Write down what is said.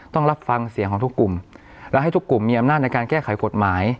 ต้องรับฟังเสียงของทุกกลุ่มและให้ทุกกลุ่มมีอำนาจในการแก้ไขกฎหมาย